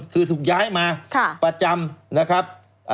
คือถูกย้ายมาประจำนะครับ